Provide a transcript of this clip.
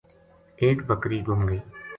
ایک بکری گُم گئی